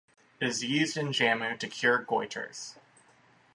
It is used in Jammu to cure goitres.